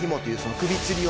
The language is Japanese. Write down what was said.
首つり用？